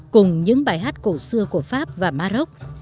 cùng những bài hát cổ xưa của pháp và maroc